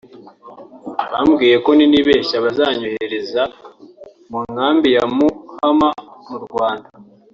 Bambwiye ko ninibeshya bazanyohereza mu nkambi ya Mahama mu Rwanda